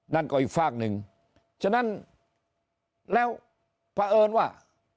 นั่นก็อีกฝากหนึ่งฉะนั้นแล้วเพราะเอิญว่า